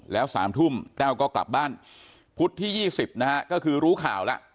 แล้ว๓ทุ่มแต้วก็กลับบ้านพุธที่๒๐นะฮะก็คือรู้ข่าวแล้ว